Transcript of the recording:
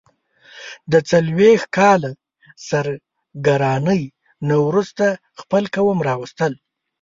د څلوېښت کاله سرګرانۍ نه وروسته خپل قوم راوستل.